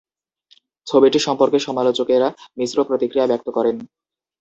ছবিটি সম্পর্কে সমালোচকেরা মিশ্র প্রতিক্রিয়া ব্যক্ত করেন।